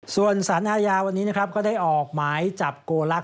ส่วนสารอาญาวันนี้นะครับก็ได้ออกหมายจับโกลักษ